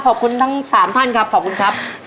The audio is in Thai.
ขอบคุณทั้ง๓ท่านครับขอบคุณครับ